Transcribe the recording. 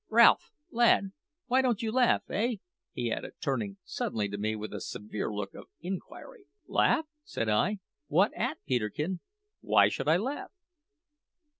Ralph, lad, why don't you laugh, eh?" he added, turning suddenly to me with a severe look of inquiry. "Laugh!" said I. "What at, Peterkin? Why should I laugh?"